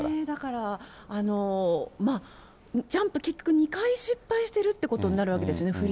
だから、ジャンプ、結果２回失敗してるってことになるわけですね。